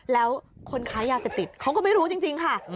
แล้วคนค้ายาเสพติดเขาก็ไม่รู้จริงค่ะ